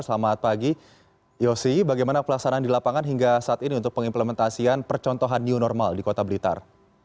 selamat pagi yosi bagaimana pelaksanaan di lapangan hingga saat ini untuk pengimplementasian percontohan new normal di kota blitar